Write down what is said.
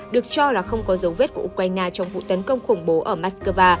được cho là không có dấu vết của ukraine trong vụ tấn công khủng bố ở moscow